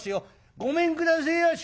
「ごめんくだせえやし」。